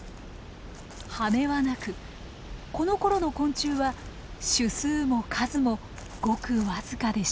羽はなくこのころの昆虫は種数も数もごく僅かでした。